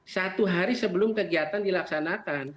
satu hari sebelum kegiatan dilaksanakan